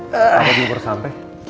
pak apa belum sampai